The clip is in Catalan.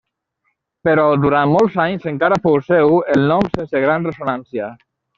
Però durant molts anys encara fou seu el nom sense gran ressonància.